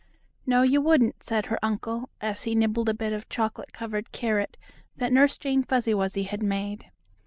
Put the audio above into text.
"No you wouldn't," said her uncle, as he nibbled a bit of chocolate covered carrot that Nurse Jane Fuzzy Wuzzy had made.